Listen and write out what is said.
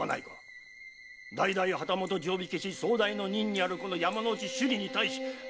代々旗本定火消し総代の任にあるこの山之内修理に対し何たる無礼。